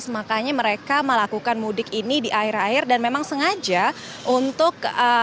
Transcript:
makanya mereka melakukan mudik ini di air air dan memang sengaja untuk